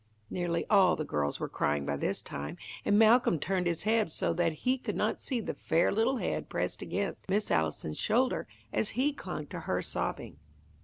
'" Nearly all the girls were crying by this time, and Malcolm turned his head so that he could not see the fair little head pressed against Miss Allison's shoulder, as she clung to her sobbing.